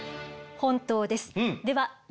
本当です。